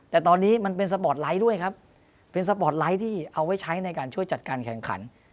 แต่ตอนนี้มันเป็นสปอร์ตไลท์ด้วยครับเป็นสปอร์ตไลท์ที่เอาไว้ใช้ในการช่วยจัดการแข่งขัน